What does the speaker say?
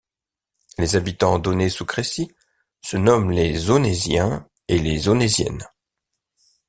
Les habitants d'Aunay-sous-Crécy se nomment les Aunaisiens et les Aunaisiennes.